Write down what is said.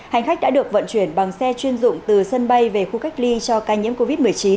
hành khách đã được vận chuyển bằng xe chuyên dụng từ sân bay về khu cách ly cho ca nhiễm covid một mươi chín